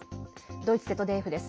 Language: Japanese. ドイツＺＤＦです。